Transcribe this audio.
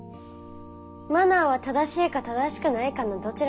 「マナー」は「正しい」か「正しくない」かのどちらかです。